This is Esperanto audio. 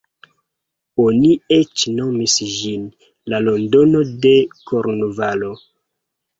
Oni eĉ nomis ĝin "La Londono de Kornvalo".